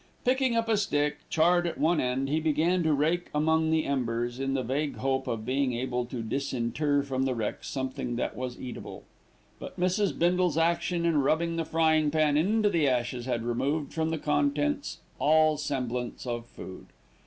Picking up a stick, charred at one end, he began to rake among the embers in the vague hope of being able to disinter from the wreck something that was eatable; but Mrs. Bindle's action in rubbing the frying pan into the ashes had removed from the contents all semblance of food.